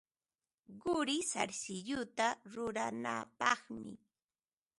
Quri sarsilluta ruranapaqmi.